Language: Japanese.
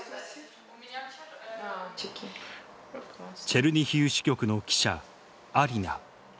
チェルニヒウ支局の記者アリナ。